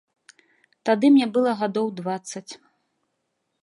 Тады мне было гадоў дваццаць.